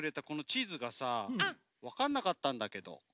このちずがさわかんなかったんだけど。